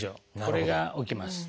これが起きます。